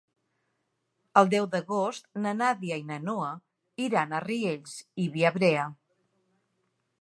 El deu d'agost na Nàdia i na Noa iran a Riells i Viabrea.